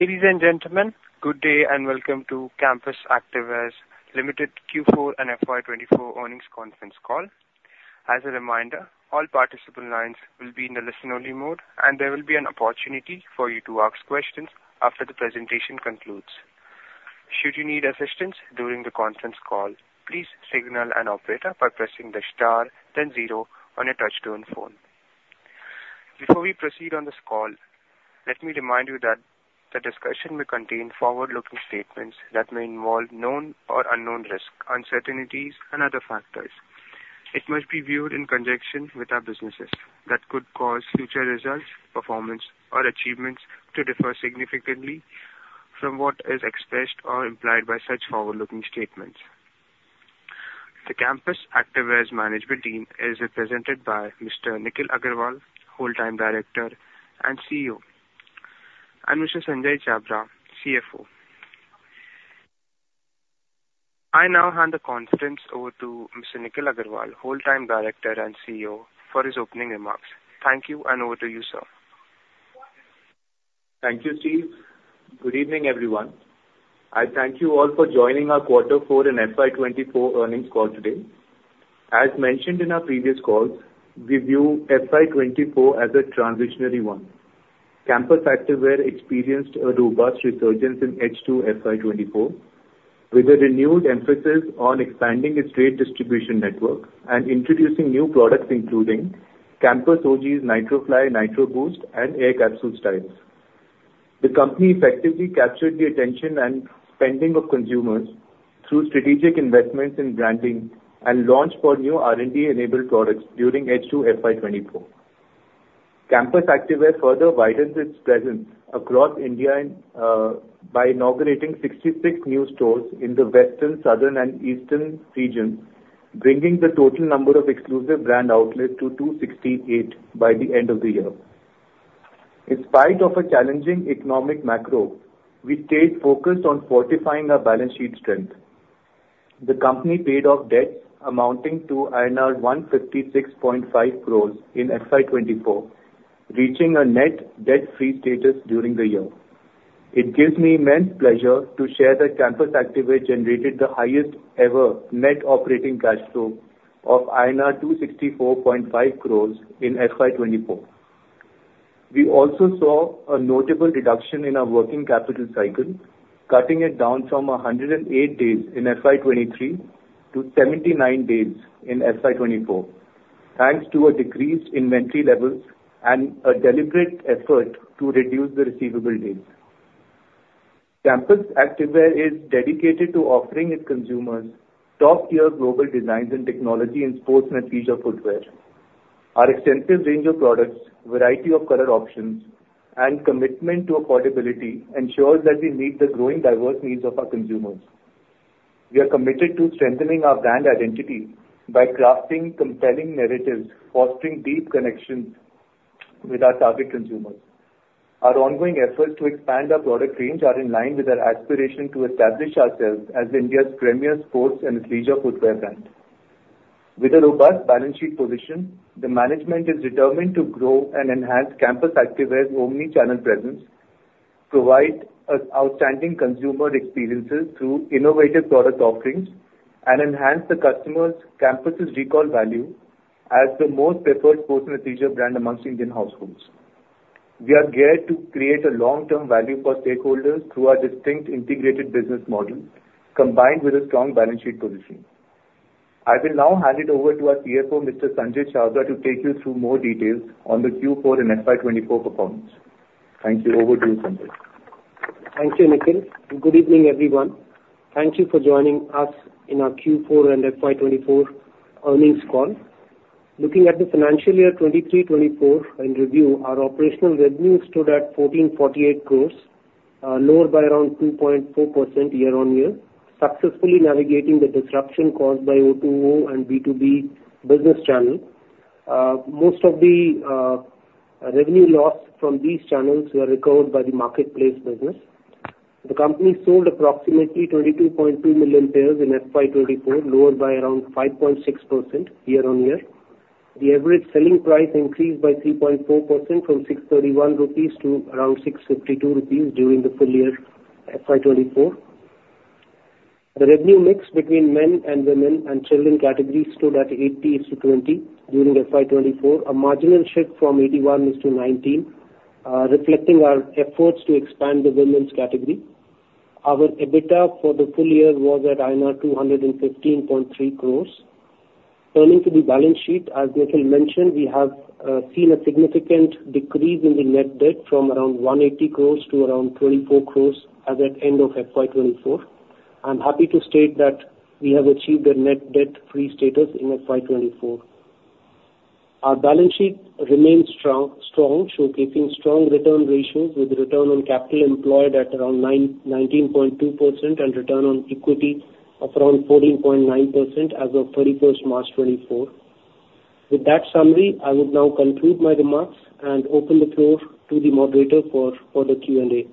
Ladies and gentlemen, good day, and welcome to Campus Activewear Limited Q4 and FY24 earnings conference call. As a reminder, all participant lines will be in the listen-only mode, and there will be an opportunity for you to ask questions after the presentation concludes. Should you need assistance during the conference call, please signal an operator by pressing the star then zero on your touchtone phone. Before we proceed on this call, let me remind you that the discussion may contain forward-looking statements that may involve known or unknown risks, uncertainties, and other factors. It must be viewed in conjunction with our businesses that could cause future results, performance, or achievements to differ significantly from what is expressed or implied by such forward-looking statements. The Campus Activewear management team is represented by Mr. Nikhil Aggarwal, Whole Time Director and CEO, and Mr. Sanjay Chhabra, CFO. I now hand the conference over to Mr. Nikhil Aggarwal, Whole Time Director and CEO, for his opening remarks. Thank you, and over to you, sir. Thank you, Steve. Good evening, everyone. I thank you all for joining our Q4 and FY24 earnings call today. As mentioned in our previous calls, we view FY24 as a transitional one. Campus Activewear experienced a robust resurgence in H2 FY24, with a renewed emphasis on expanding its trade distribution network and introducing new products, including Campus OGs NitroFly, NitroBoost, and Air Capsule styles. The company effectively captured the attention and spending of consumers through strategic investments in branding and launch for new R&D-enabled products during H2 FY24. Campus Activewear further widens its presence across India by inaugurating 66 new stores in the Western, Southern, and Eastern regions, bringing the total number of exclusive brand outlets to 268 by the end of the year. In spite of a challenging economic macro, we stayed focused on fortifying our balance sheet strength. The company paid off debts amounting to INR 156.5 crores in FY24, reaching a net debt-free status during the year. It gives me immense pleasure to share that Campus Activewear generated the highest ever net operating cash flow of INR 264.5 crores in FY24. We also saw a notable reduction in our working capital cycle, cutting it down from 108 days in FY23 to 79 days in FY24, thanks to a decreased inventory levels and a deliberate effort to reduce the receivable days. Campus Activewear is dedicated to offering its consumers top-tier global designs and technology in sports and leisure footwear. Our extensive range of products, variety of color options, and commitment to affordability ensures that we meet the growing, diverse needs of our consumers. We are committed to strengthening our brand identity by crafting compelling narratives, fostering deep connections with our target consumers. Our ongoing efforts to expand our product range are in line with our aspiration to establish ourselves as India's premier sports and leisure footwear brand. With a robust balance sheet position, the management is determined to grow and enhance Campus Activewear's omni-channel presence, provide us outstanding consumer experiences through innovative product offerings, and enhance the customers' Campus's recall value as the most preferred sports and leisure brand amongst Indian households. We are geared to create a long-term value for stakeholders through our distinct integrated business model, combined with a strong balance sheet position. I will now hand it over to our CFO, Mr. Sanjay Chhabra, to take you through more details on the Q4 and FY24 performance. Thank you. Over to you, Sanjay. Thank you, Nikhil, and good evening, everyone. Thank you for joining us in our Q4 and FY 2024 earnings call. Looking at the financial year 2023-2024 in review, our operational revenues stood at 1,448 crores, lower by around 2.4% year-on-year, successfully navigating the disruption caused by O2O and B2B business channel. Most of the revenue loss from these channels were recovered by the marketplace business. The company sold approximately 22.2 million pairs in FY 2024, lower by around 5.6% year-on-year. The average selling price increased by 3.4% from 631 rupees to around 652 rupees during the full year FY 2024. The revenue mix between men and women and children categories stood at 80:20 during FY24, a marginal shift from 81:19, reflecting our efforts to expand the women's category. Our EBITDA for the full year was at INR 215.3 crores. Turning to the balance sheet, as Nikhil mentioned, we have seen a significant decrease in the net debt from around 180 crores to around 24 crores as at end of FY24. I'm happy to state that we have achieved a net debt free status in FY24. Our balance sheet remains strong, strong, showcasing strong return ratios with return on capital employed at around 19.2% and return on equity of around 14.9% as of 31 March 2024. With that summary, I would now conclude my remarks and open the floor to the moderator for the Q&A.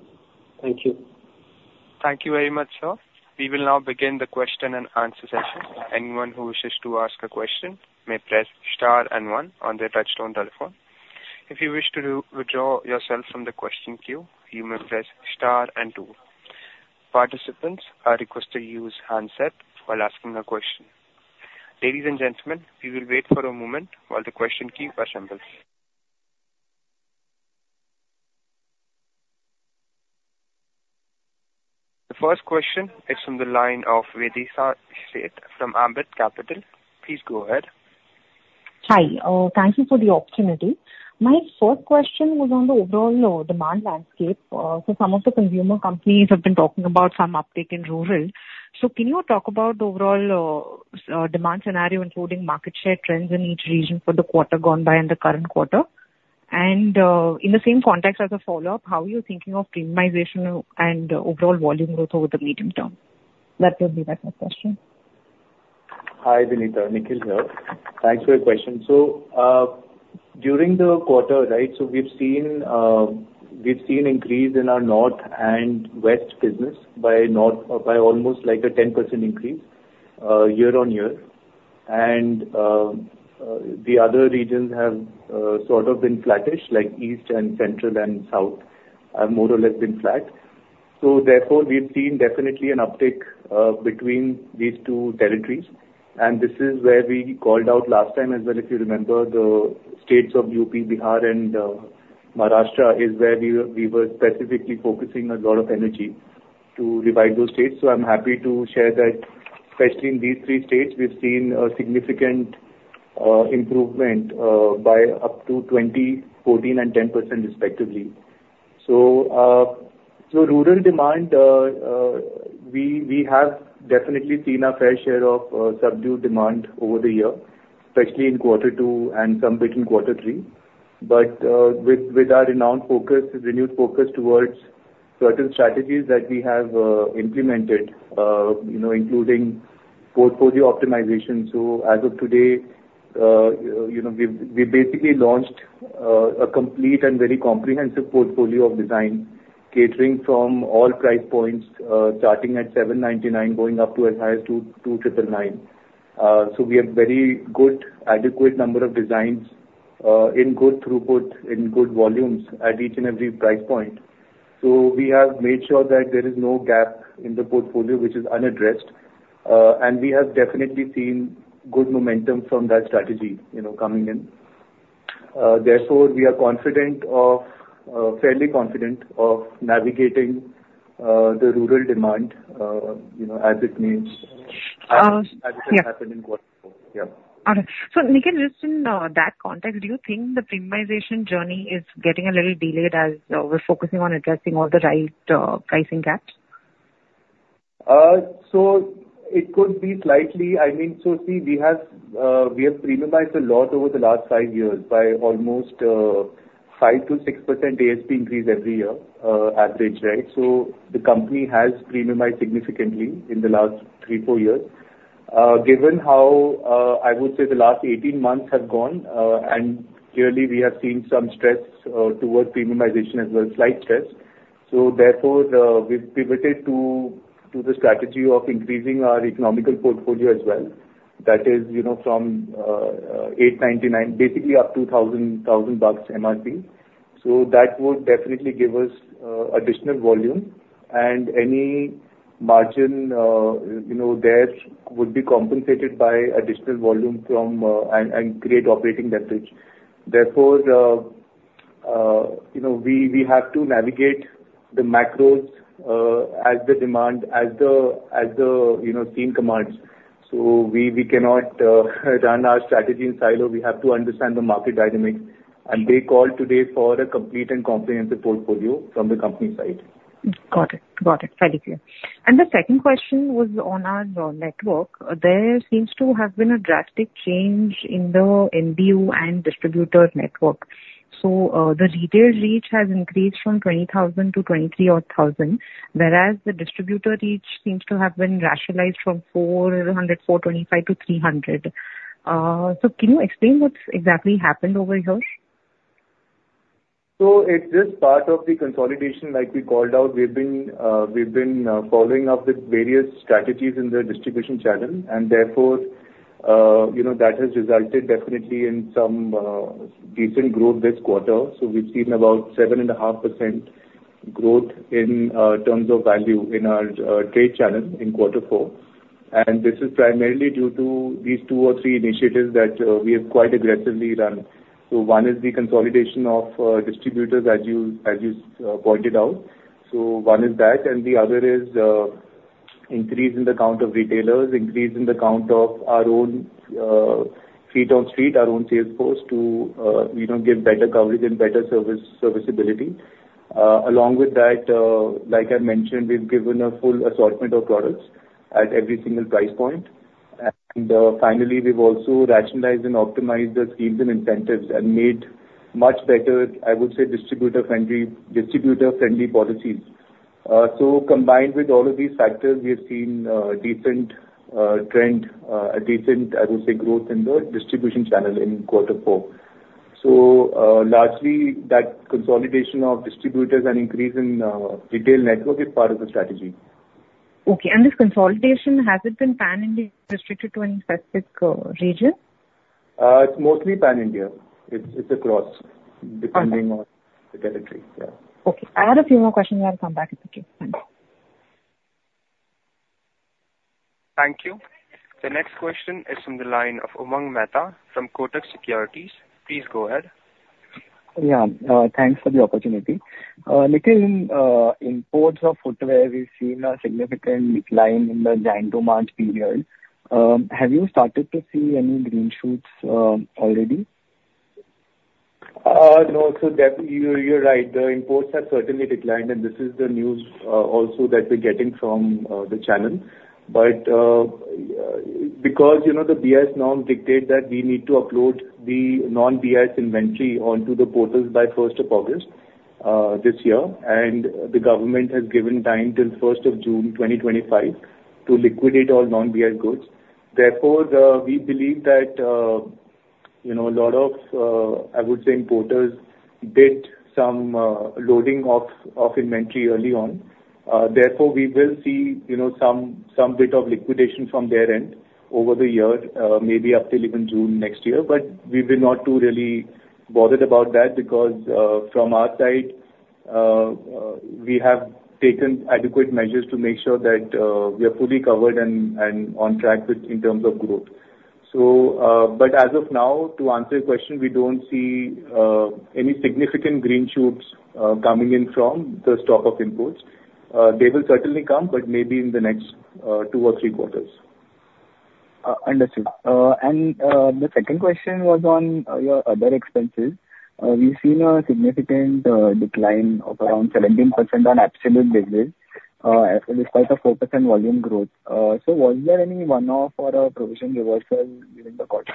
Thank you. Thank you very much, sir. We will now begin the question and answer session. Anyone who wishes to ask a question may press star and one on their touchtone telephone. If you wish to withdraw yourself from the question queue, you may press star and two. Participants are requested to use handset while asking a question. Ladies and gentlemen, we will wait for a moment while the question queue assembles. The first question is from the line of Videesha Sheth from Ambit Capital. Please go ahead. Hi, thank you for the opportunity. My first question was on the overall, demand landscape. So some of the consumer companies have been talking about some uptick in rural. So can you talk about the overall, demand scenario, including market share trends in each region for the quarter gone by and the current quarter? And, in the same context, as a follow-up, how are you thinking of premiumization and overall volume growth over the medium term? That would be my first question. Hi, Videesha, Nikhil here. Thanks for your question. So, during the quarter, right, so we've seen, we've seen increase in our north and west business by north, by almost like a 10% increase, year-on-year. The other regions have, sort of been flattish, like east and central and south have more or less been flat. So therefore, we've seen definitely an uptick, between these two territories, and this is where we called out last time as well, if you remember, the states of UP, Bihar, and Maharashtra is where we were, we were specifically focusing a lot of energy to revive those states. So I'm happy to share that, especially in these three states, we've seen a significant improvement by up to 20, 14, and 10% respectively. So, rural demand, we have definitely seen our fair share of subdued demand over the year, especially in quarter two and some bit in quarter three. But, with our renewed focus towards certain strategies that we have implemented, you know, including portfolio optimization. So as of today, you know, we've basically launched a complete and very comprehensive portfolio of designs, catering from all price points, starting at 799, going up to as high as 2,299. So we have very good, adequate number of designs in good throughput, in good volumes at each and every price point. So we have made sure that there is no gap in the portfolio which is unaddressed. And we have definitely seen good momentum from that strategy, you know, coming in. Therefore, we are fairly confident of navigating the rural demand, you know, as it needs- Uh, yeah. As it has happened in quarter four. Yeah. Got it. So, Nikhil, just in that context, do you think the premiumization journey is getting a little delayed, as we're focusing on addressing all the right pricing gaps? So it could be slightly. I mean, so see, we have, we have premiumized a lot over the last five years by almost, 5%-6% ASP increase every year, average, right? So the company has premiumized significantly in the last three, four years. Given how, I would say the last eighteen months have gone, and clearly we have seen some stress, towards premiumization as well, slight stress. So therefore, we've pivoted to the strategy of increasing our economical portfolio as well. That is, you know, from, eight ninety-nine, basically up to thousand bucks MRP. So that would definitely give us, additional volume, and any margin, you know, there would be compensated by additional volume from... and create operating leverage. Therefore, you know, we have to navigate the macros, as the demand, you know, team commands. So we cannot run our strategy in silo. We have to understand the market dynamics. And they call today for a complete and comprehensive portfolio from the company side. Got it. Got it. Very clear. The second question was on our network. There seems to have been a drastic change in the MBO and distributor network. The retail reach has increased from 20,000 to 23,000, whereas the distributor reach seems to have been rationalized from 400-425 to 300. Can you explain what's exactly happened over here? So it's just part of the consolidation, like we called out. We've been, we've been, following up with various strategies in the distribution channel, and therefore, you know, that has resulted definitely in some, decent growth this quarter. So we've seen about 7.5% growth in, terms of value in our, trade channel in quarter four. And this is primarily due to these two or three initiatives that, we have quite aggressively run. So one is the consolidation of, distributors, as you, as you, pointed out. So one is that, and the other is, increase in the count of retailers, increase in the count of our own, feet on street, our own sales force, to, you know, give better coverage and better service, serviceability. Along with that, like I mentioned, we've given a full assortment of products at every single price point. And, finally, we've also rationalized and optimized the schemes and incentives and made much better, I would say, distributor-friendly, distributor-friendly policies. So combined with all of these factors, we have seen a decent trend, a decent, I would say, growth in the distribution channel in quarter four. So, largely, that consolidation of distributors and increase in retail network is part of the strategy. Okay, and this consolidation, has it been pan-India, restricted to any specific, region? It's mostly pan-India. It's across- Uh-huh. depending on the territory. Yeah. Okay. I had a few more questions. I'll come back if okay. Thank you. Thank you. The next question is from the line of Umang Mehta from Kotak Securities. Please go ahead. Yeah, thanks for the opportunity. Nikhil, in imports of footwear, we've seen a significant decline in the January to March period. Have you started to see any green shoots already? No. So you, you're right. The imports have certainly declined, and this is the news also that we're getting from the channel. But because, you know, the BIS norms dictate that we need to upload the non-BIS inventory onto the portals by first of August this year, and the government has given time till first of June 2025 to liquidate all non-BIS goods. Therefore, we believe that, you know, a lot of, I would say importers did some loading off, off inventory early on. Therefore, we will see, you know, some, some bit of liquidation from their end over the year, maybe up till even June next year. But we've been not too really bothered about that because from our side we have taken adequate measures to make sure that we are fully covered and on track within terms of growth. So but as of now, to answer your question, we don't see any significant green shoots coming in from the stock of imports. They will certainly come, but maybe in the next two or three quarters. Understood. And, the second question was on your other expenses. We've seen a significant decline of around 17% on absolute basis, despite a 4% volume growth. So was there any one-off or a provision reversal during the quarter?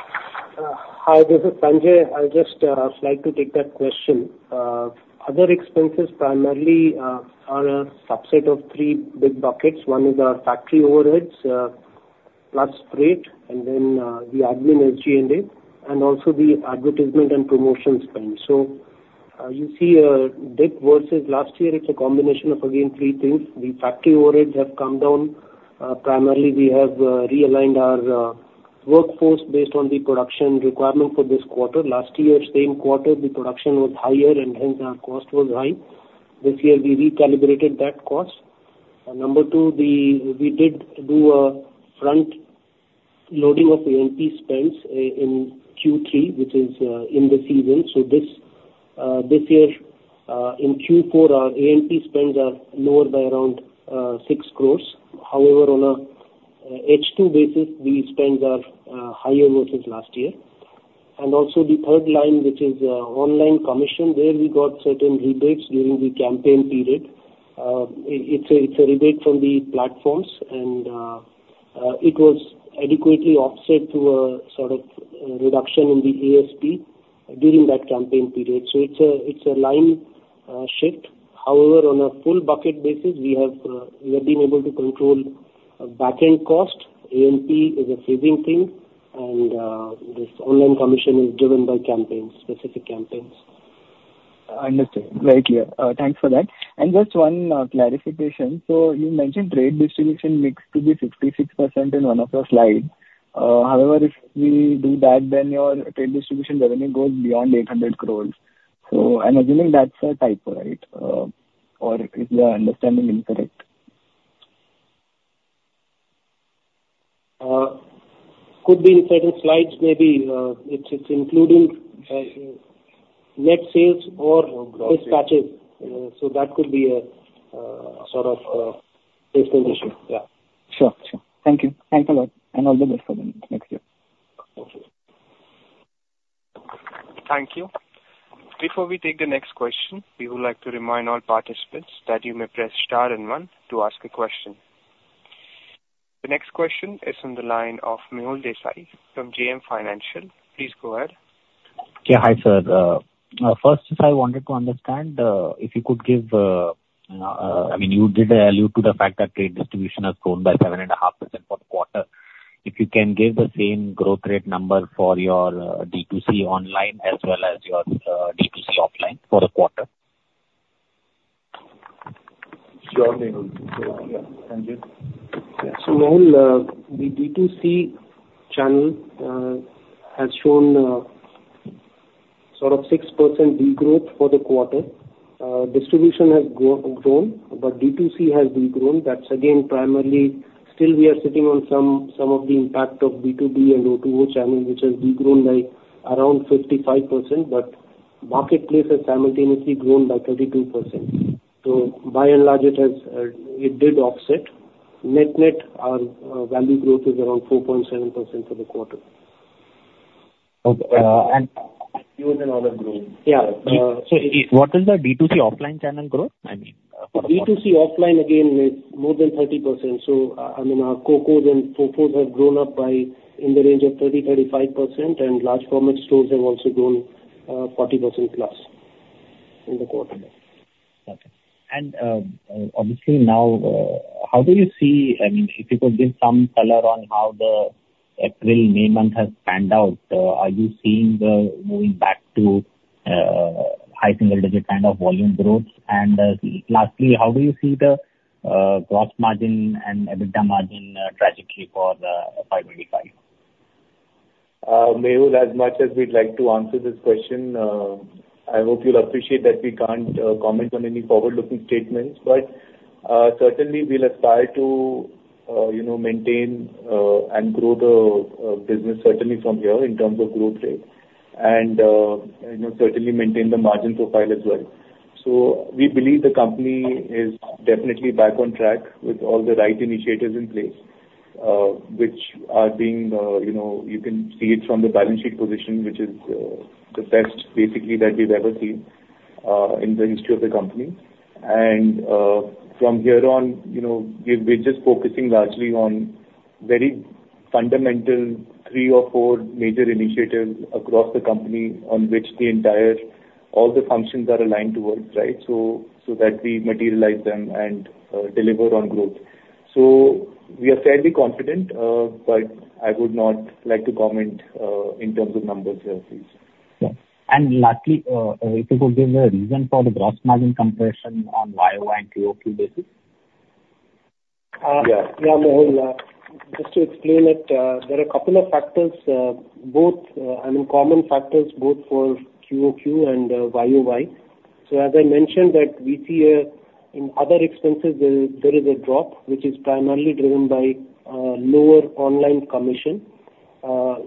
Hi, this is Sanjay. I'll just like to take that question. Other expenses primarily are a subset of three big buckets. 1 is our factory overheads plus freight, and then the admin SG&A, and also the advertisement and promotion spend. So you see a dip versus last year, it's a combination of, again, three things. The factory overheads have come down. Primarily, we have realigned our workforce based on the production requirement for this quarter. Last year, same quarter, the production was higher and hence our cost was high. This year we recalibrated that cost. Number 2, we did do a front loading of A&P spends in Q3, which is in the season. So this year in Q4, our A&P spends are lower by around 6 crore. However, on a H2 basis, the spends are higher versus last year. And also, the third line, which is online commission, there we got certain rebates during the campaign period. It's a rebate from the platforms, and it was adequately offset through a sort of reduction in the ASP during that campaign period. So it's a line shift. However, on a full bucket basis, we have been able to control back-end cost. A&P is a saving thing, and this online commission is driven by campaigns, specific campaigns. Understood. Very clear. Thanks for that. And just one clarification. So you mentioned trade distribution mix to be 66% in one of your slides. However, if we do that, then your trade distribution revenue goes beyond 800 crore. So I'm assuming that's a typo, right? Or is my understanding incorrect? Could be in certain slides, maybe, it's including net sales or dispatches. So that could be a sort of miscalculation. Yeah. Sure. Sure. Thank you. Thanks a lot, and all the best for the next year. Okay. Thank you. Before we take the next question, we would like to remind all participants that you may press star and One to ask a question. The next question is from the line of Mehul Desai from JM Financial. Please go ahead. Yeah. Hi, sir. First, I wanted to understand... I mean, you did allude to the fact that trade distribution has grown by 7.5% for the quarter. If you can give the same growth rate number for your D2C online as well as your D2C offline for the quarter. Sure, Mehul. Yeah, Sanjay? So Mehul, the D2C channel has shown sort of 6% degrowth for the quarter. Distribution has grown, but D2C has degrown. That's again, primarily... Still we are sitting on some of the impact of B2B and O2O channel, which has degrown by around 55%, but marketplace has simultaneously grown by 32%. So by and large, it has offset. Net-net, our value growth is around 4.7% for the quarter. Okay, and- Year on year growth. Yeah. What is the D2C offline channel growth, I mean, for the quarter? D2C offline, again, is more than 30%. So I mean, our COCOs and FOFOs have grown up by in the range of 30%-35%, and large format stores have also grown, 40%+. in the quarter. Okay. Obviously now, how do you see, I mean, if you could give some color on how the April, May month has panned out, are you seeing the moving back to high single digit kind of volume growth? And lastly, how do you see the gross margin and EBITDA margin trajectory for FY25? Mehul, as much as we'd like to answer this question, I hope you'll appreciate that we can't comment on any forward-looking statements. But, certainly we'll aspire to, you know, maintain and grow the business certainly from here in terms of growth rate and, you know, certainly maintain the margin profile as well. So we believe the company is definitely back on track with all the right initiatives in place, which are being, you know, you can see it from the balance sheet position, which is the best basically that we've ever seen in the history of the company. From here on, you know, we're just focusing largely on very fundamental, three or four major initiatives across the company on which the entire, all the functions are aligned towards, right, so that we materialize them and deliver on growth. So we are fairly confident, but I would not like to comment in terms of numbers here, please. Yeah. And lastly, if you could give me a reason for the gross margin compression on YOY and QOQ basis? Yeah, Mehul, just to explain it, there are a couple of factors, both, I mean, common factors both for quarter-over-quarter and year-over-year. So as I mentioned that we see a, in other expenses, there is a drop, which is primarily driven by lower online commission.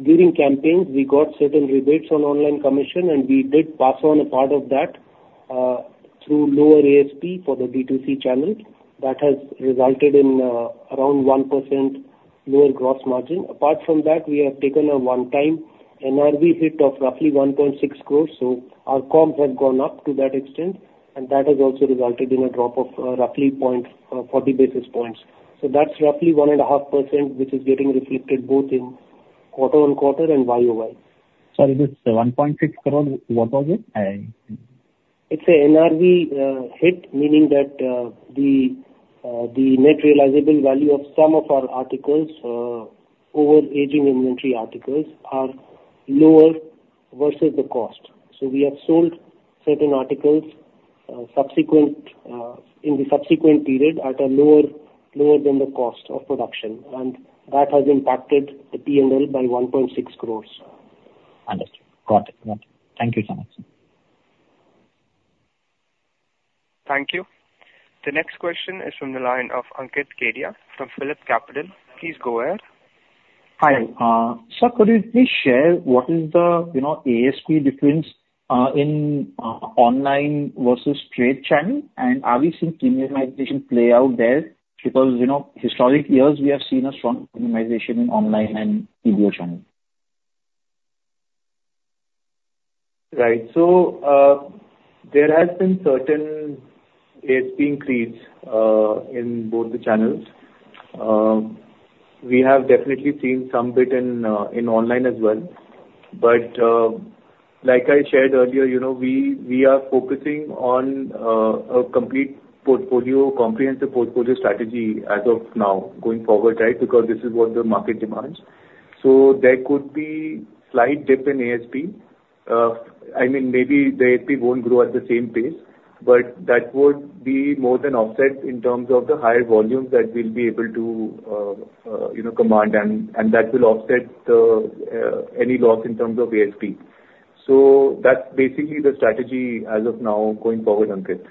During campaigns, we got certain rebates on online commission, and we did pass on a part of that through lower ASP for the B2C channel. That has resulted in around 1% lower gross margin. Apart from that, we have taken a one-time NRV hit of roughly 1.6 crore, so our costs have gone up to that extent, and that has also resulted in a drop of roughly 40 basis points. That's roughly 1.5%, which is getting reflected both in quarter-on-quarter and YOY. Sorry, this 1.6 crore, what was it? I- It's a NRV hit, meaning that the net realizable value of some of our articles, overaging inventory articles, are lower versus the cost. So we have sold certain articles, subsequently in the subsequent period at a lower than the cost of production, and that has impacted the P&L by 1.6 crore. Understood. Got it. Got it. Thank you so much. Thank you. The next question is from the line of Ankit Kedia from PhillipCapital. Please go ahead. Hi. Sir, could you please share what is the, you know, ASP difference in online versus trade channel? Are we seeing premiumization play out there? Because, you know, historic years, we have seen a strong premiumization in online and EBO channel. Right. So, there has been certain ASP increase in both the channels. We have definitely seen some bit in, in online as well. But, like I shared earlier, you know, we, we are focusing on a complete portfolio, comprehensive portfolio strategy as of now, going forward, right? Because this is what the market demands. So there could be slight dip in ASP. I mean, maybe the ASP won't grow at the same pace, but that would be more than offset in terms of the higher volumes that we'll be able to, you know, command, and, and that will offset the any loss in terms of ASP. So that's basically the strategy as of now going forward, Ankit.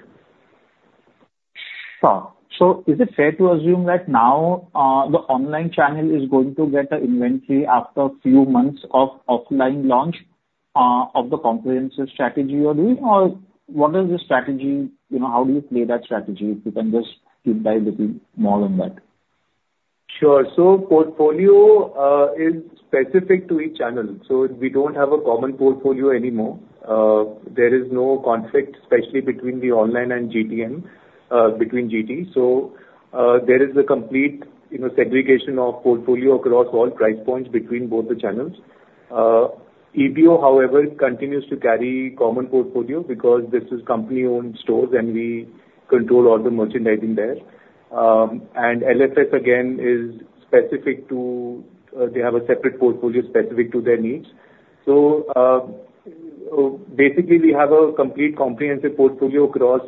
Sure. So is it fair to assume that now, the online channel is going to get an inventory after a few months of offline launch, of the comprehensive strategy you're doing? Or what is the strategy, you know, how do you play that strategy? If you can just dive a little more on that. Sure. So portfolio is specific to each channel, so we don't have a common portfolio anymore. There is no conflict, especially between the online and GTM. So, there is a complete, you know, segregation of portfolio across all price points between both the channels. EBO, however, continues to carry common portfolio because this is company-owned stores, and we control all the merchandising there. And LFS again is specific to, they have a separate portfolio specific to their needs. So, basically, we have a complete comprehensive portfolio across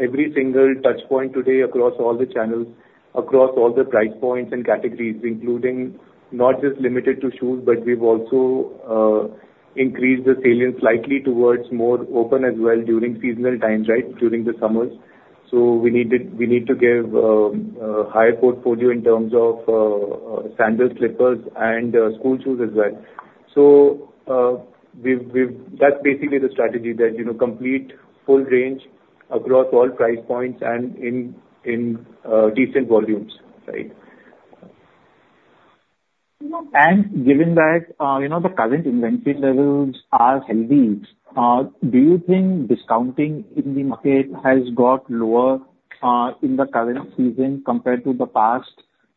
every single touchpoint today, across all the channels, across all the price points and categories, including not just limited to shoes, but we've also increased the salience slightly towards more open as well during seasonal times, right, during the summers. So we needed, we need to give a higher portfolio in terms of sandals, slippers, and school shoes as well. So, we've... That's basically the strategy that, you know, complete full range across all price points and in decent volumes, right? Given that, you know, the current inventory levels are healthy, do you think discounting in the market has got lower in the current season compared to the past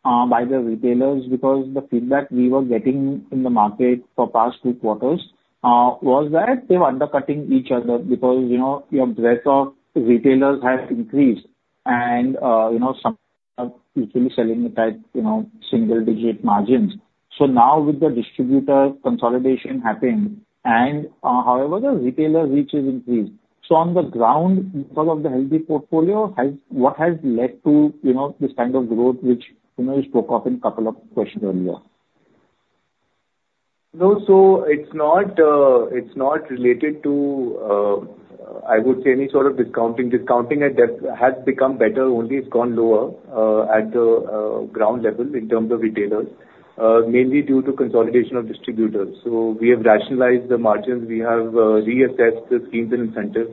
by the retailers, because the feedback we were getting in the market for past two quarters was that they were undercutting each other because, you know, your breadth of retailers has increased and, you know, some are usually selling at, you know, single-digit margins. So now with the distributor consolidation happening, and however, the retailer reach has increased. So on the ground, in terms of the healthy portfolio, what has led to, you know, this kind of growth, which, you know, you spoke of in a couple of questions earlier? No, so it's not, it's not related to, I would say, any sort of discounting. Discounting at depth has become better, only it's gone lower, at the ground level in terms of retailers, mainly due to consolidation of distributors. So we have rationalized the margins. We have reassessed the schemes and incentives,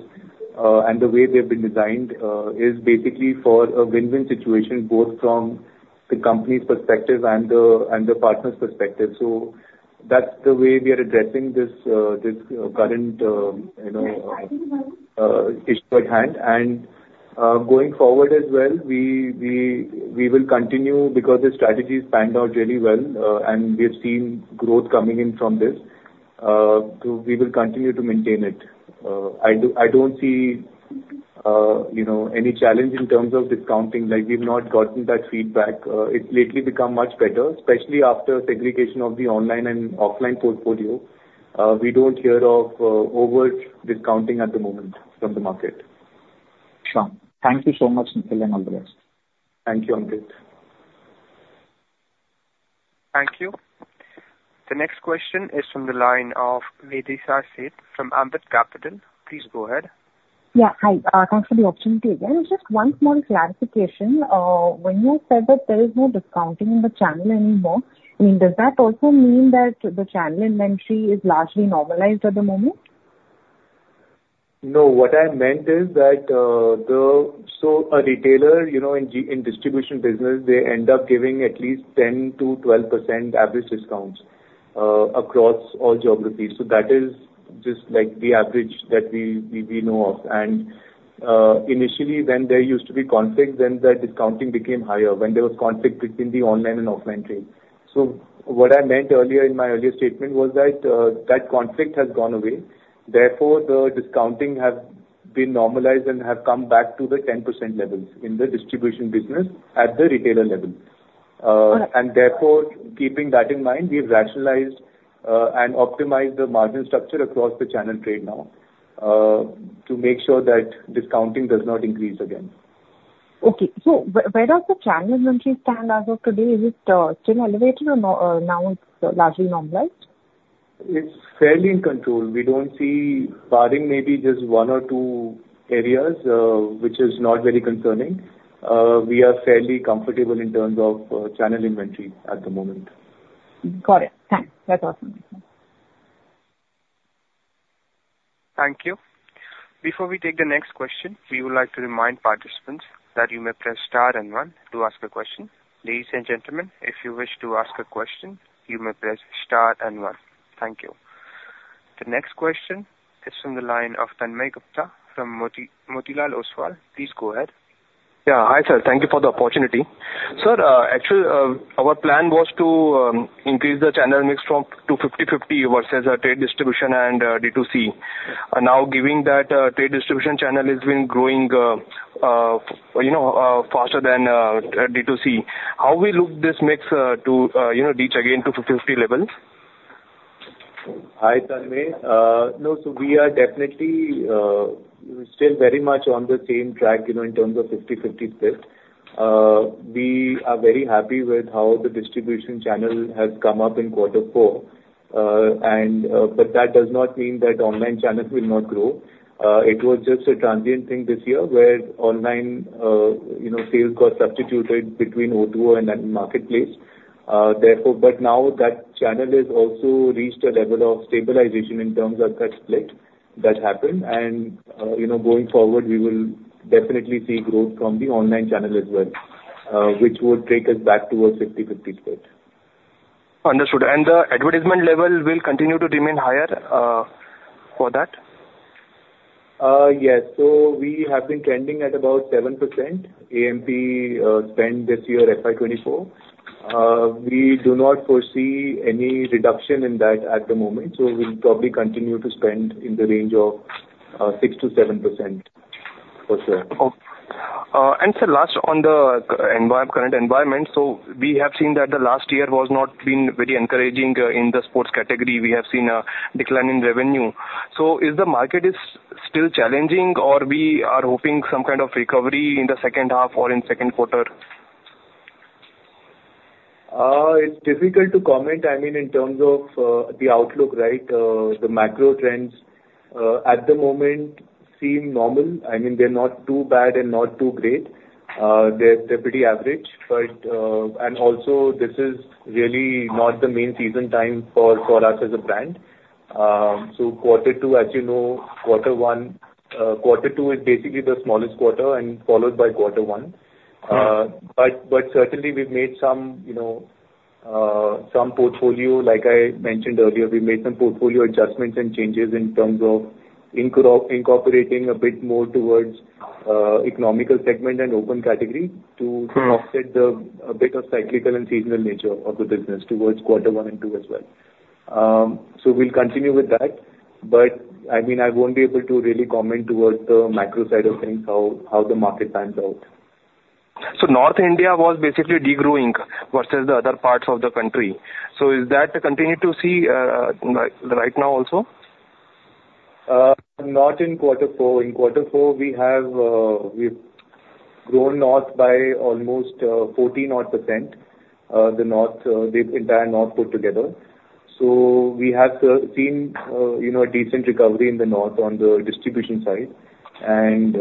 and the way they've been designed is basically for a win-win situation, both from the company's perspective and the partner's perspective. So that's the way we are addressing this current, you know, issue at hand. And going forward as well, we will continue because the strategy has panned out really well, and we have seen growth coming in from this. So we will continue to maintain it. I don't see, you know, any challenge in terms of discounting, like, we've not gotten that feedback. It's lately become much better, especially after segregation of the online and offline portfolio. We don't hear of over discounting at the moment from the market. Sure. Thank you so much, Nikhil, and all the best. Thank you, Ankit. Thank you. The next question is from the line of Videesha Sheth from Ambit Capital. Please go ahead. Yeah, hi. Thanks for the opportunity again. Just one small clarification. When you said that there is no discounting in the channel anymore, I mean, does that also mean that the channel inventory is largely normalized at the moment? No, what I meant is that, the... So a retailer, you know, in in distribution business, they end up giving at least 10%-12% average discounts, across all geographies. So that is just, like, the average that we know of. And, initially, when there used to be conflict, then the discounting became higher when there was conflict between the online and offline trade. So what I meant earlier in my earlier statement was that, that conflict has gone away. Therefore, the discounting has been normalized and have come back to the 10% levels in the distribution business at the retailer level. Got it. Therefore, keeping that in mind, we've rationalized, and optimized the margin structure across the channel trade now, to make sure that discounting does not increase again. Okay. So where does the channel inventory stand as of today? Is it still elevated or now it's largely normalized? It's fairly in control. We don't see, barring maybe just one or two areas, which is not very concerning. We are fairly comfortable in terms of, channel inventory at the moment. Got it. Thanks. That's all. Thank you. Before we take the next question, we would like to remind participants that you may press star and one to ask a question. Ladies and gentlemen, if you wish to ask a question, you may press star and one. Thank you. The next question is from the line of Tanmay Gupta from Motilal Oswal. Please go ahead. Yeah. Hi, sir. Thank you for the opportunity. Sir, actually, our plan was to increase the channel mix from to 50/50 versus trade distribution and D2C. And now, giving that trade distribution channel has been growing, you know, faster than D2C, how we look this mix to, you know, reach again to 50/50 levels? Hi, Tanmay. No, so we are definitely still very much on the same track, you know, in terms of 50/50 split. We are very happy with how the distribution channel has come up in quarter four. But that does not mean that online channels will not grow. It was just a transient thing this year, where online, you know, sales got substituted between O2O and then marketplace. Therefore, but now that channel has also reached a level of stabilization in terms of that split that happened. And, you know, going forward, we will definitely see growth from the online channel as well, which would take us back towards 50/50 split. Understood. The advertisement level will continue to remain higher for that? Yes. So we have been trending at about 7% A&P spend this year, FY24. We do not foresee any reduction in that at the moment, so we'll probably continue to spend in the range of 6%-7% for sure. Okay. And sir, last on the current environment. So we have seen that the last year was not been very encouraging in the sports category. We have seen a decline in revenue. So is the market is still challenging, or we are hoping some kind of recovery in the second half or in second quarter? It's difficult to comment, I mean, in terms of, the outlook, right? The macro trends, at the moment seem normal. I mean, they're not too bad and not too great. They're pretty average. But, and also, this is really not the main season time for, us as a brand. So quarter two, as you know, quarter one... Quarter two is basically the smallest quarter and followed by quarter one. Mm-hmm. But certainly we've made some, you know, some portfolio adjustments and changes in terms of incorporating a bit more towards the economical segment and open category to- Hmm. offset the a bit of cyclical and seasonal nature of the business toward quarter 1 and 2 as well. So we'll continue with that, but I mean, I won't be able to really comment toward the macro side of things, how the market pans out. So North India was basically degrowing versus the other parts of the country. So is that continued to see, like, right now also? Not in quarter four. In quarter four, we have, we've grown north by almost 14 odd percent, the north, the entire north put together. So we have seen, you know, a decent recovery in the north on the distribution side and,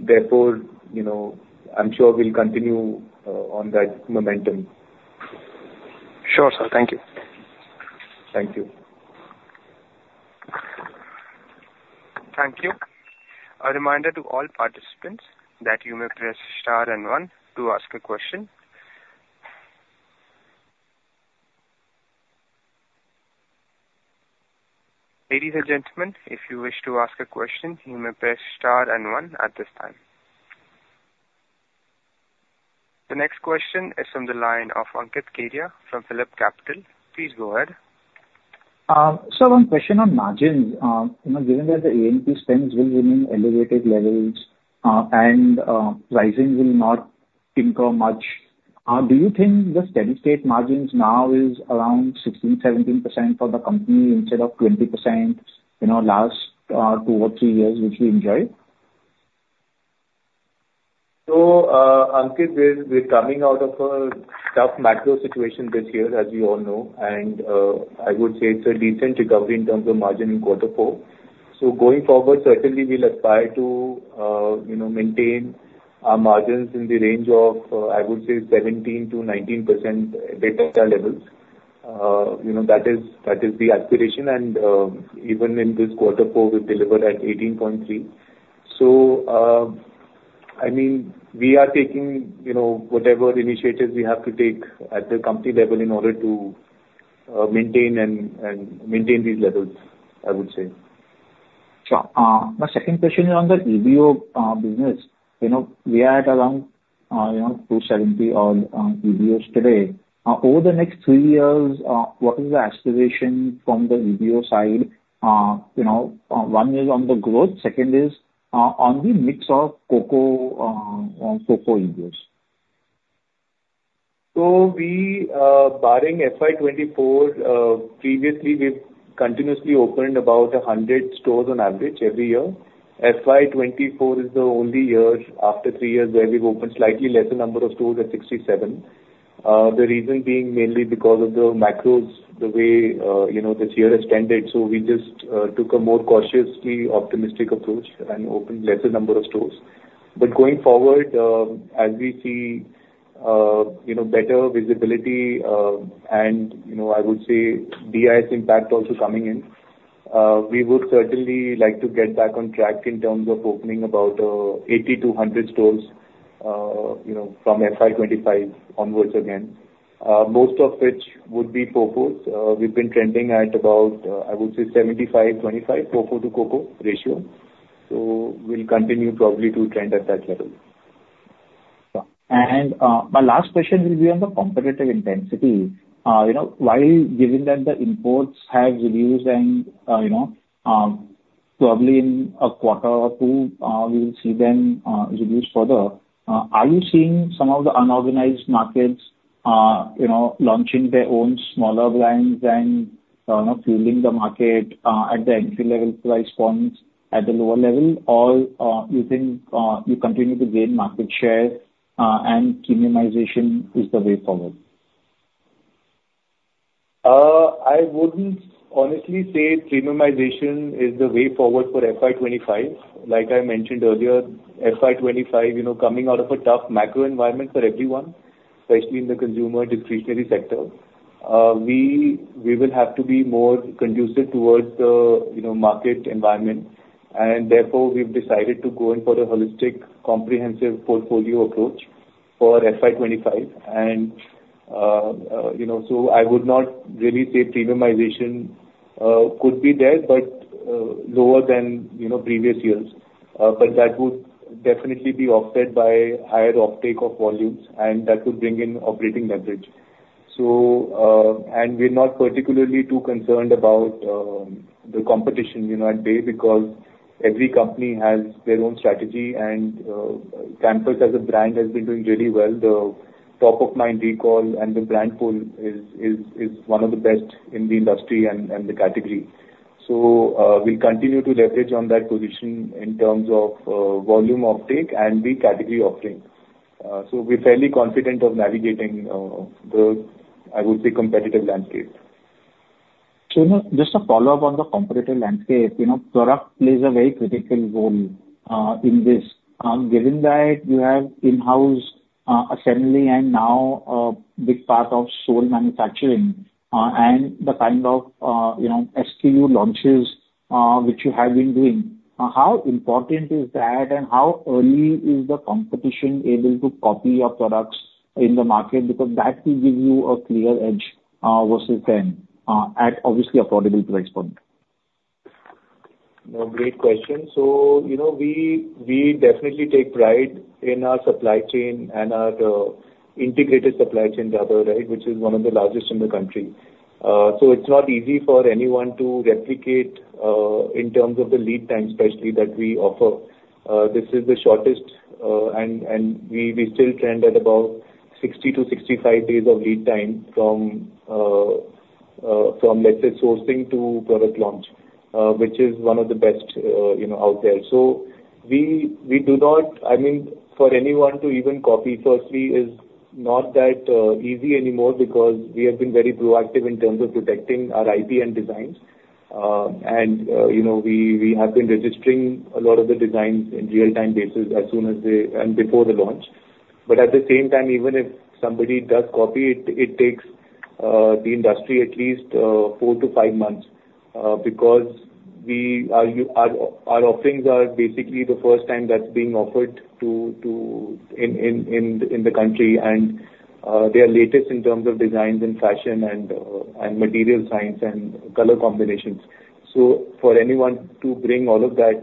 therefore, you know, I'm sure we'll continue on that momentum. Sure, sir. Thank you. Thank you. Thank you. A reminder to all participants that you may press star and one to ask a question. Ladies and gentlemen, if you wish to ask a question, you may press star and one at this time. The next question is from the line of Ankit Kedia from PhillipCapital. Please go ahead. So one question on margins. You know, given that the A&P spends will remain elevated levels, and pricing will not tinker much, do you think the steady state margins now is around 16%-17% for the company instead of 20%, you know, last two or three years, which we enjoyed? So, Ankit, we're, we're coming out of a tough macro situation this year, as you all know, and, I would say it's a decent recovery in terms of margin in quarter four. So going forward, certainly we'll aspire to, you know, maintain our margins in the range of, I would say 17%-19% EBITDA levels. You know, that is, that is the aspiration and, even in this quarter four, we delivered at 18.3. So, I mean, we are taking, you know, whatever initiatives we have to take at the company level in order to, maintain and maintain these levels, I would say. Sure. My second question is on the EBO business. You know, we are at around, you know, 270 on EBOs today. Over the next three years, what is the aspiration from the EBO side? You know, one is on the growth, second is on the mix of COCO, on COCO EBOs. So we, barring FY24, previously, we've continuously opened about 100 stores on average every year. FY24 is the only year after 3 years, where we've opened slightly lesser number of stores at 67. The reason being mainly because of the macros, the way, you know, this year has tended. So we just, took a more cautiously optimistic approach and opened lesser number of stores. But going forward, as we see, you know, better visibility, and, you know, I would say BIS impact also coming in, we would certainly like to get back on track in terms of opening about, 80-100 stores, you know, from FY25 onwards again. Most of which would be FOFOs. We've been trending at about, I would say 75-25, FOFO to COCO ratio. We'll continue probably to trend at that level. My last question will be on the competitive intensity. You know, while given that the imports have reduced and, you know, probably in a quarter or two, we will see them reduce further, are you seeing some of the unorganized markets, you know, launching their own smaller brands and, you know, fueling the market, at the entry-level price points, at the lower level? Or, you think, you continue to gain market share, and premiumization is the way forward? I wouldn't honestly say premiumization is the way forward for FY25. Like I mentioned earlier, FY25, you know, coming out of a tough macro environment for everyone, especially in the consumer discretionary sector, we will have to be more conducive towards the, you know, market environment, and therefore, we've decided to go in for a holistic, comprehensive portfolio approach for FY25. You know, so I would not really say premiumization could be there, but lower than, you know, previous years. But that would definitely be offset by higher uptake of volumes, and that would bring in operating leverage. So, we're not particularly too concerned about the competition, you know, at bay, because every company has their own strategy, and Campus as a brand has been doing really well. The top-of-mind recall and the brand pull is one of the best in the industry and the category. So, we'll continue to leverage on that position in terms of volume uptake and the category offering. So we're fairly confident of navigating the, I would say, competitive landscape. So, you know, just a follow-up on the competitive landscape, you know, product plays a very critical role in this. Given that you have in-house assembly and now a big part of sole manufacturing, and the kind of, you know, SKU launches which you have been doing. Now, how important is that, and how early is the competition able to copy your products in the market? Because that will give you a clear edge versus them at obviously affordable price point. No, great question. So, you know, we definitely take pride in our supply chain and our, the integrated supply chain, rather, right, which is one of the largest in the country. So it's not easy for anyone to replicate, in terms of the lead time, especially, that we offer. This is the shortest, and we still trend at about 60-65 days of lead time from, from let's say, sourcing to product launch, which is one of the best, you know, out there. So we do not... I mean, for anyone to even copy firstly, is not that easy anymore because we have been very proactive in terms of protecting our IP and designs. You know, we have been registering a lot of the designs in real-time basis as soon as they and before the launch. But at the same time, even if somebody does copy it, it takes the industry at least 4-5 months because our offerings are basically the first time that's being offered to the country. And they are latest in terms of designs and fashion and material science and color combinations. So for anyone to bring all of that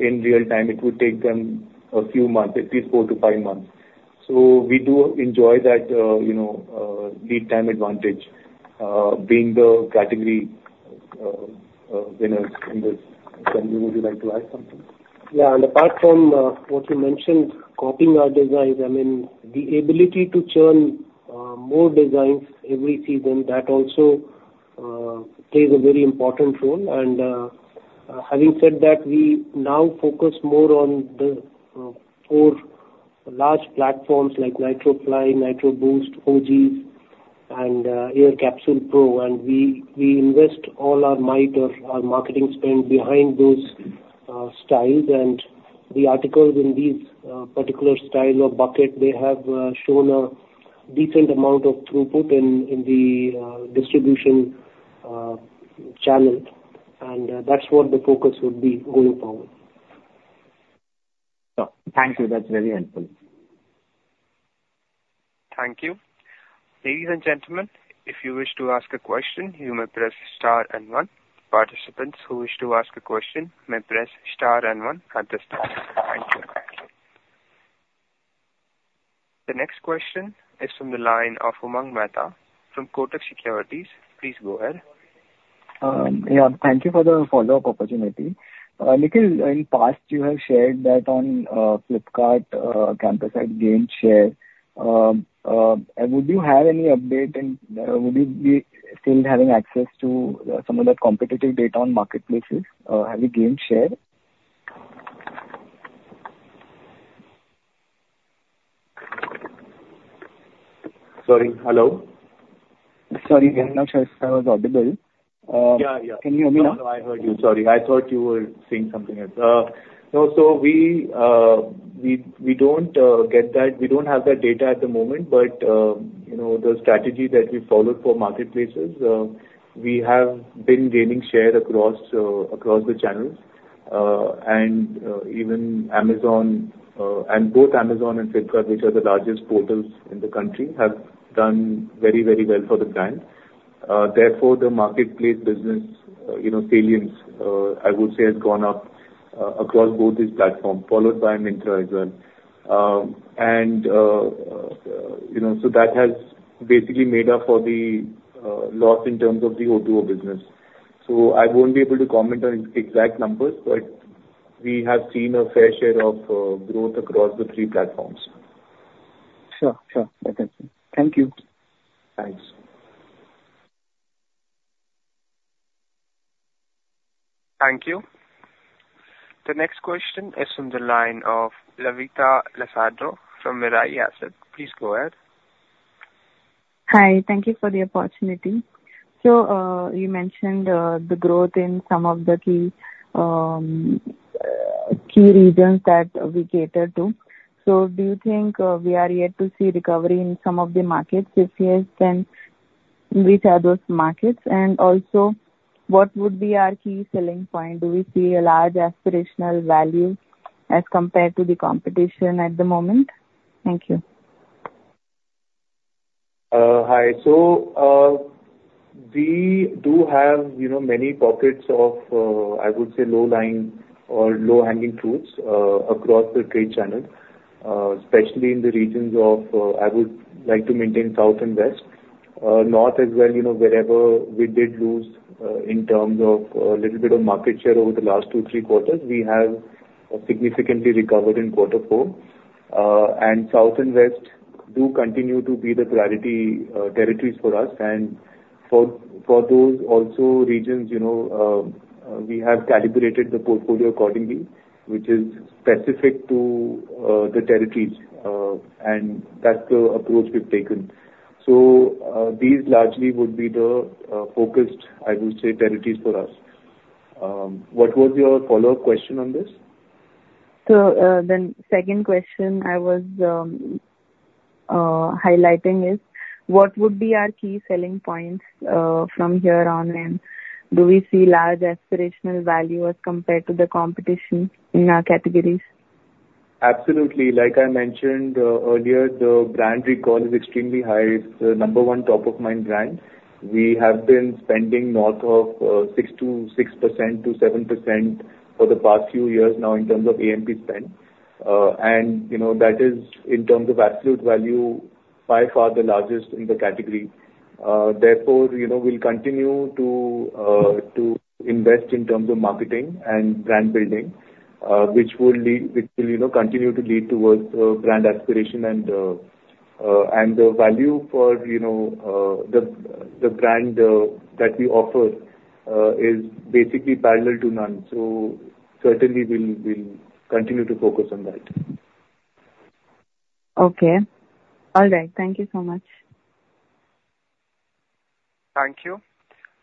in real time, it would take them a few months, at least 4-5 months. So we do enjoy that, you know, lead time advantage, being the category winners in this. Sanjay, would you like to add something? Yeah, and apart from what you mentioned, copying our designs, I mean, the ability to churn more designs every season, that also plays a very important role. And having said that, we now focus more on the four large platforms like NitroFly, NitroBoost, OGs, and Air Capsule Pro. And we invest all our might or our marketing spend behind those styles. And the articles in these particular style or bucket, they have shown a decent amount of throughput in the distribution channel. And that's what the focus would be going forward. Sure. Thank you. That's very helpful. Thank you. Ladies and gentlemen, if you wish to ask a question, you may press star and one. Participants who wish to ask a question may press star and one at this time. Thank you. The next question is from the line of Umang Mehta from Kotak Securities. Please go ahead. Yeah, thank you for the follow-up opportunity. Nikhil, in past you have shared that on Flipkart, Campus site gained share. Would you have any update and would you be still having access to some of that competitive data on marketplaces? Have you gained share? Sorry. Hello? Sorry, I was not sure if I was audible. Yeah, yeah. Can you hear me now? No, I heard you. Sorry, I thought you were saying something else. No, so we, we don't get that. We don't have that data at the moment, but, you know, the strategy that we followed for marketplaces, we have been gaining share across, across the channels. And, even Amazon, and both Amazon and Flipkart, which are the largest portals in the country, have done very, very well for the brand. Therefore, the marketplace business, you know, salience, I would say, has gone up, across both these platforms, followed by Myntra as well. And, you know, so that has basically made up for the, loss in terms of the O2O business. I won't be able to comment on exact numbers, but we have seen a fair share of growth across the three platforms. Sure. Sure. That helps me. Thank you. Thanks. Thank you. The next question is from the line of Levita Lasrado from Mirae Asset. Please go ahead. Hi. Thank you for the opportunity. So, you mentioned the growth in some of the key regions that we cater to. So do you think we are yet to see recovery in some of the markets? If yes, then which are those markets? And also, what would be our key selling point? Do we see a large aspirational value as compared to the competition at the moment? Thank you. Hi. So, we do have, you know, many pockets of, I would say, low-lying or low-hanging fruits, across the trade channel, especially in the regions of, I would like to maintain South and West. North as well, you know, wherever we did lose, in terms of, little bit of market share over the last two, three quarters, we have, significantly recovered in quarter four. And South and West do continue to be the priority, territories for us. And for, for those also regions, you know, we have calibrated the portfolio accordingly, which is specific to, the territories, and that's the approach we've taken. So, these largely would be the, focused, I would say, territories for us. What was your follow-up question on this?... So, then second question I was highlighting is, what would be our key selling points, from here on in? Do we see large aspirational value as compared to the competition in our categories? Absolutely. Like I mentioned earlier, the brand recall is extremely high. It's the number one top of mind brand. We have been spending north of 6%-7% for the past few years now in terms of A&P spend. And you know, that is in terms of absolute value, by far the largest in the category. Therefore, you know, we'll continue to invest in terms of marketing and brand building, which will lead- which will, you know, continue to lead towards brand aspiration and the value for, you know, the brand that we offer is basically parallel to none. So certainly we'll continue to focus on that. Okay. All right. Thank you so much. Thank you.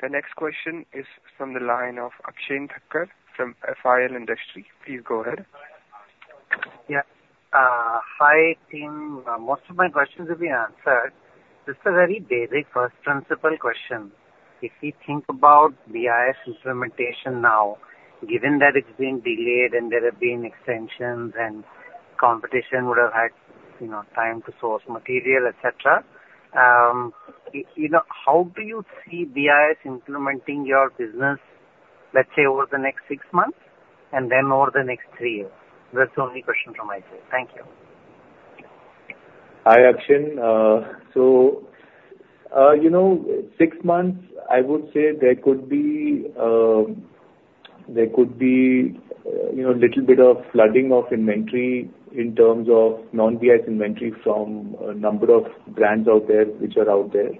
The next question is from the line of Akshen Thakkar from FIL Industry. Please go ahead. Yeah. Hi, team. Most of my questions have been answered. Just a very basic first principle question. If we think about BIS implementation now, given that it's been delayed and there have been extensions and competition would have had, you know, time to source material, et cetera, you know, how do you see BIS implementing your business, let's say, over the next six months and then over the next three years? That's the only question from my side. Thank you. Hi, Akshen. So, you know, six months, I would say there could be, you know, little bit of flooding of inventory in terms of non-BIS inventory from a number of brands out there, which are out there.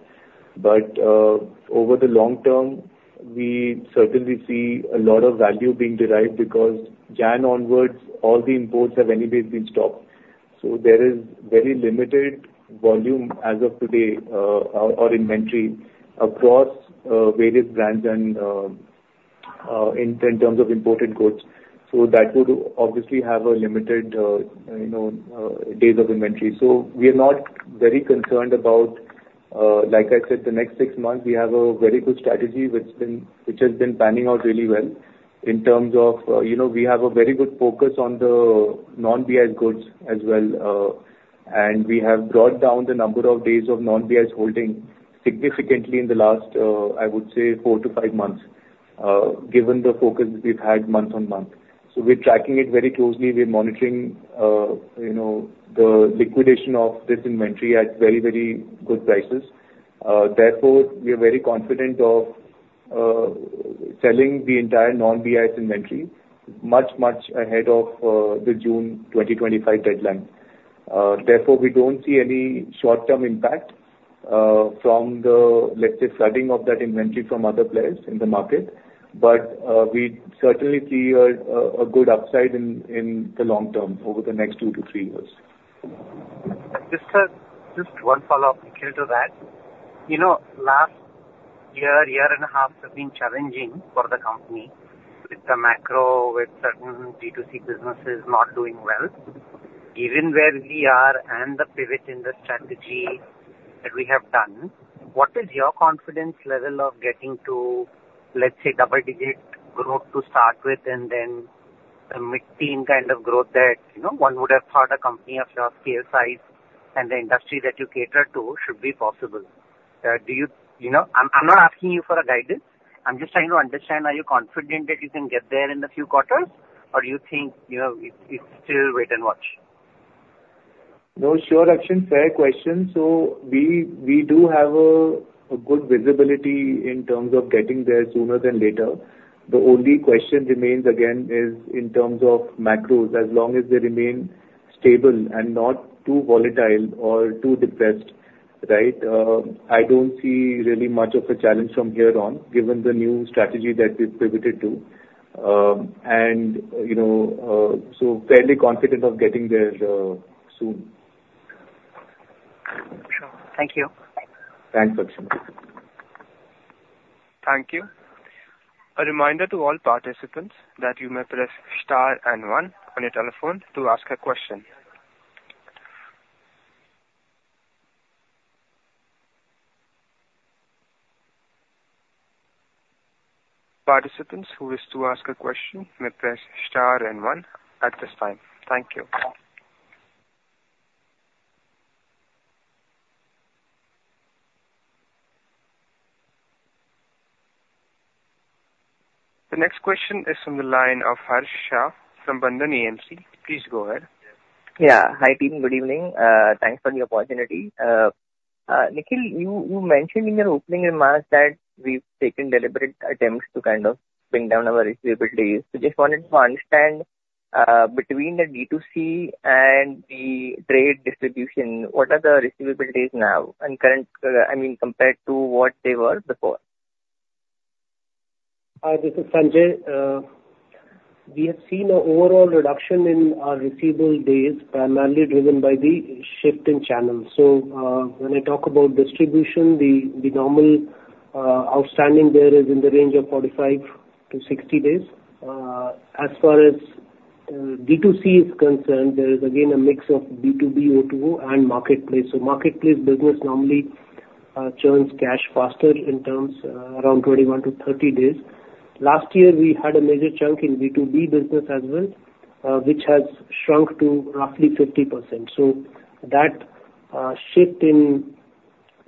But, over the long term, we certainly see a lot of value being derived because Jan onwards, all the imports have anyway been stopped. So there is very limited volume as of today, or, or inventory across, various brands and, in, in terms of imported goods. So that would obviously have a limited, you know, days of inventory. So we are not very concerned about, like I said, the next six months, we have a very good strategy which has been panning out really well in terms of, you know, we have a very good focus on the non-BIS goods as well. And we have brought down the number of days of non-BIS holding significantly in the last, I would say four to five months, given the focus we've had month-on-month. So we're tracking it very closely. We're monitoring, you know, the liquidation of this inventory at very, very good prices. Therefore, we are very confident of, selling the entire non-BIS inventory much, much ahead of, the June 2025 deadline. Therefore, we don't see any short-term impact, from the, let's say, flooding of that inventory from other players in the market. But we certainly see a good upside in the long term, over the next two to three years. Just, just one follow-up, Nikhil, to that. You know, last year, year and a half, have been challenging for the company with the macro, with certain D2C businesses not doing well. Given where we are and the pivot in the strategy that we have done, what is your confidence level of getting to, let's say, double digit growth to start with, and then a mid-teen kind of growth that, you know, one would have thought a company of your scale, size, and the industry that you cater to, should be possible? Do you... You know, I'm, I'm not asking you for a guidance. I'm just trying to understand, are you confident that you can get there in a few quarters, or you think, you know, it's, it's still wait and watch? No, sure, Akshen, fair question. So we do have a good visibility in terms of getting there sooner than later. The only question remains, again, is in terms of macros, as long as they remain stable and not too volatile or too depressed, right? I don't see really much of a challenge from here on, given the new strategy that we've pivoted to. And, you know, so fairly confident of getting there, soon. Sure. Thank you. Thanks, Akshin. Thank you. A reminder to all participants, that you may press star and one on your telephone to ask a question. Participants who wish to ask a question may press star and one at this time. Thank you. The next question is from the line of Harsh Shah from Bandhan AMC. Please go ahead. Yeah. Hi, team. Good evening. Thanks for the opportunity. Nikhil, you mentioned in your opening remarks that we've taken deliberate attempts to kind of bring down our receivables. So just wanted to understand, between the D2C and the trade distribution, what are the receivables now and current, I mean, compared to what they were before? This is Sanjay. We have seen an overall reduction in our receivable days, primarily driven by the shift in channels. So, when I talk about distribution, the normal outstanding there is in the range of 45-60 days. As far as D2C is concerned, there is again a mix of B2B, O2O, and marketplace. So marketplace business normally churns cash faster in terms around 21-30 days. Last year, we had a major chunk in B2B business as well, which has shrunk to roughly 50%. So that shift in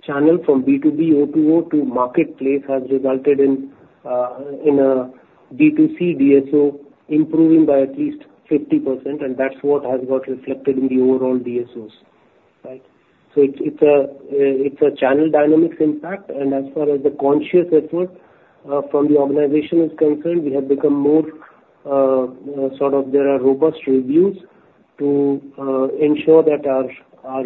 channel from B2B, O2O to marketplace has resulted in a B2C DSO improving by at least 50%, and that's what has got reflected in the overall DSOs, right? So it's a channel dynamics impact. And as far as the conscious effort from the organization is concerned, we have become more, you know, sort of there are robust reviews to ensure that our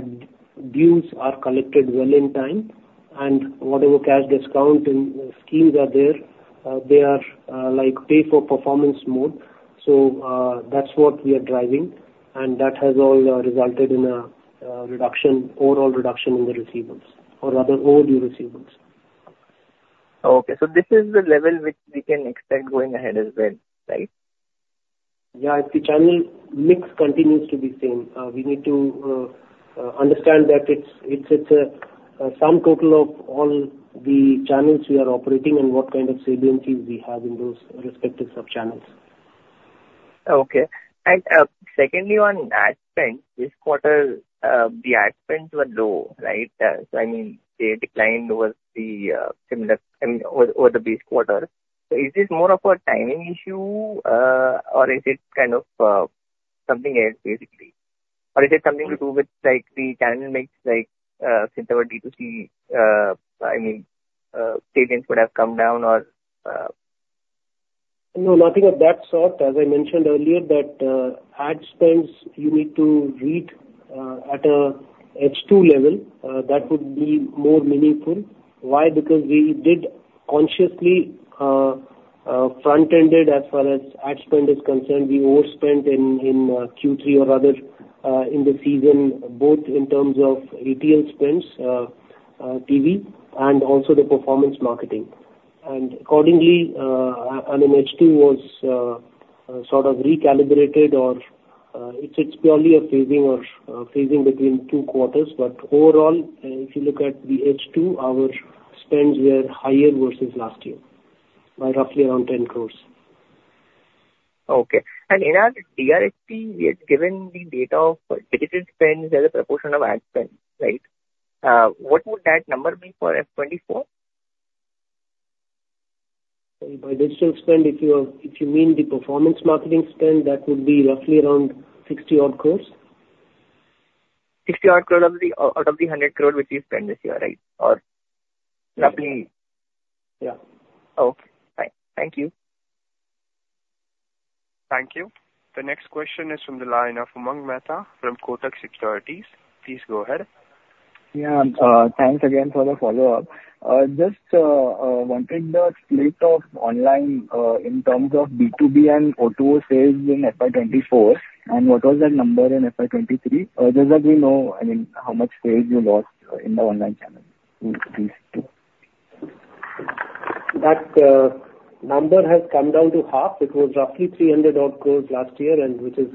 dues are collected well in time. And whatever cash discount and schemes are there, they are like pay-for-performance mode. So, that's what we are driving, and that has all resulted in a reduction, overall reduction in the receivables or rather, overdue receivables. Okay, so this is the level which we can expect going ahead as well, right? Yeah, if the channel mix continues to be same. We need to understand that it's a sum total of all the channels we are operating and what kind of saliencies we have in those respective sub-channels. Okay. And, secondly, on ad spend, this quarter, the ad spends were low, right? So I mean, they declined over the similar base quarter. So is this more of a timing issue, or is it kind of something else, basically? Or is it something to do with, like, the channel mix, like, since our D2C, I mean, payments would have come down or- No, nothing of that sort. As I mentioned earlier, that, ad spends you need to read, at a H2 level. That would be more meaningful. Why? Because we did consciously, front-ended as far as ad spend is concerned. We overspent in, in, Q3 or rather, in the season, both in terms of ATL spends, TV, and also the performance marketing. And accordingly, and then H2 was, sort of recalibrated or, it's, it's purely a phasing or, phasing between two quarters. But overall, if you look at the H2, our spends were higher versus last year by roughly around 10 crore. Okay. And in our DRHP, we had given the data of digital spends as a proportion of ad spend, right? What would that number be for FY 2024? By digital spend, if you, if you mean the performance marketing spend, that would be roughly around 60-odd crore. 60-odd crore out of the 100 crore, which you spent this year, right? Or roughly- Yeah. Okay, fine. Thank you. Thank you. The next question is from the line of Umang Mehta from Kotak Securities. Please go ahead. Yeah, thanks again for the follow-up. Just wanted the split of online in terms of B2B and O2O sales in FY24, and what was that number in FY23? Just that we know, I mean, how much sales you lost in the online channel in these two. That number has come down to half. It was roughly 300-odd crores last year, and which is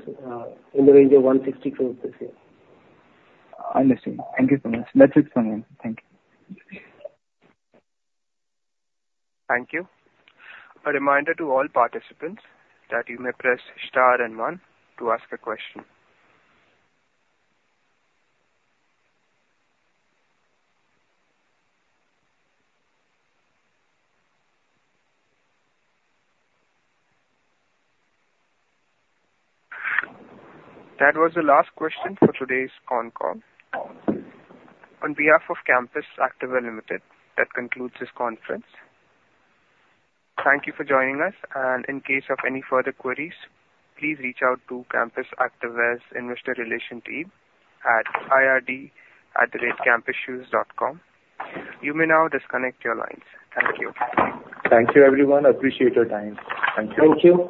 in the range of 160 crores this year. I understand. Thank you so much. That's it, Sanjay. Thank you. Thank you. A reminder to all participants that you may press star and one to ask a question. That was the last question for today's con call. On behalf of Campus Activewear Limited, that concludes this conference. Thank you for joining us, and in case of any further queries, please reach out to Campus Activewear's Investor Relations team at ird@campusshoes.com. You may now disconnect your lines. Thank you. Thank you, everyone. I appreciate your time. Thank you. Thank you.